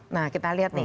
nah kita lihat nih